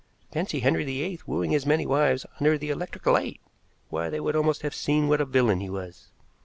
Fancy Henry the Eighth wooing his many wives under the electric light! Why, they would almost have seen what a villain he was.